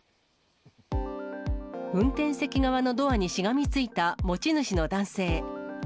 運転席側のドアにしがみついた持ち主の男性。